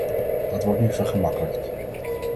Dat wordt nu vergemakkelijkt.